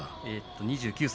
２９歳。